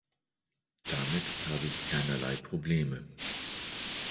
Damit habe ich keinerlei Probleme.